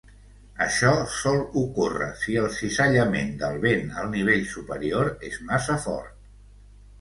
Això sol ocórrer si el cisallament del vent al nivell superior és massa fort.